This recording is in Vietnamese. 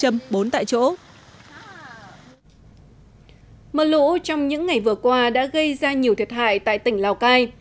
mưa lũ trong những ngày vừa qua đã gây ra nhiều thiệt hại tại tỉnh lào cai